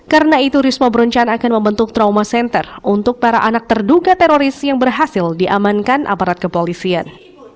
karena itu risma berencana akan membentuk trauma center untuk para anak terduga teroris yang berhasil diamankan aparat kepolisian